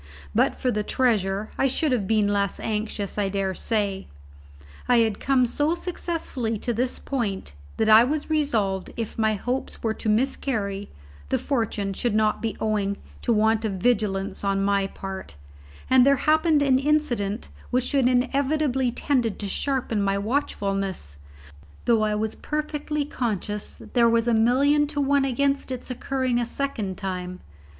But for the treasure I should have been less anxious, I dare say. I had come so successfully to this point that I was resolved, if my hopes were to miscarry, the misfortune should not be owing to want of vigilance on my part; and there happened an incident which inevitably tended to sharpen my watchfulness, though I was perfectly conscious there was a million to one against its occurring a second time.